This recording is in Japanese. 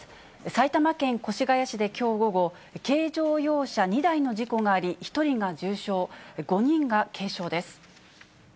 埼玉県越谷市できょう午後、軽乗用車２台の事故があり、１人が重傷、５人が軽傷です。